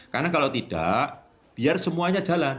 karena kalau tidak biar semuanya jalan